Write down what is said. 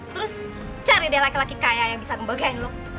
terus cari deh laki laki kaya yang bisa ngembagain lu